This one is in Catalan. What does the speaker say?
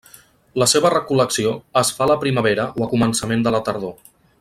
La seva recol·lecció es fa a la primavera o a començament de la tardor.